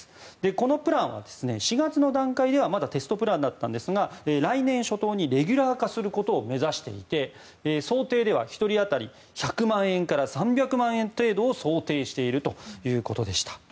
このプランは４月の段階ではまだテストプランだったんですが来年初頭にレギュラー化することを目指していて想定では１人当たり１００万円から３００万円程度を想定しているということでした。